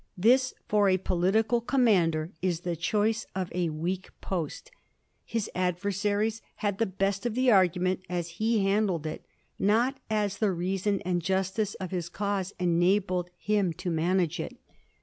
This, for a political commander, is the choice of a weak post. His adversaries had the best of the argument as he handled it ; not as the reason and jus* tice of his cause enabled him to manage it."